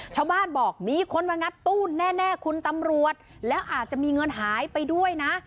ชาวบ้านบอกมีคนมางัดตู้แน่คุณตำรวจแล้วอาจจะมีเงินหายไปด้วยนะ